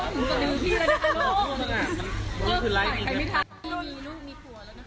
มีคือไลค์มีขัวมีลูกมีขัวแล้วนะคะ